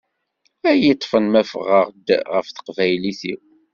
Ay-ṭfen ma fɣeɣ-d ɣef teqbaylit-iw.